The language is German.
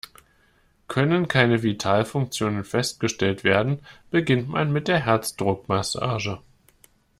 Können keine Vitalfunktionen festgestellt werden, beginnt man mit der Herzdruckmassage.